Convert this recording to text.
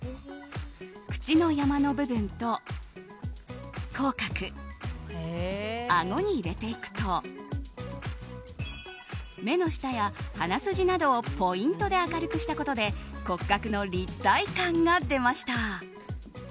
口の山の部分と口角あごに入れていくと目の下や鼻筋などをポイントで明るくしたことで骨格の立体感が出ました。